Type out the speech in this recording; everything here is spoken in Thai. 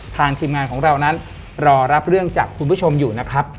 ทีมงานของเรานั้นรอรับเรื่องจากคุณผู้ชมอยู่นะครับ